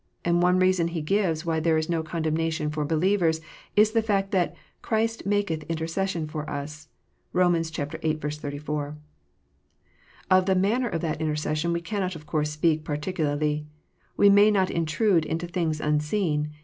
" and one reason he gives why there is no condemnation for believers, is the fact that " Christ maketh intercession for us." (Rom. viii. 34.) Of the manner of that intercession we cannot of course speak particularly : we may not intrude into things unseen.